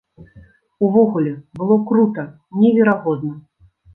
Увогуле, было крута, неверагодна!